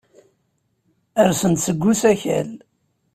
Rsen-d seg usakal.